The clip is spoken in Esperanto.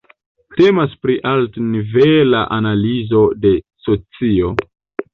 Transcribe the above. Temas pri altnivela analizo de socio.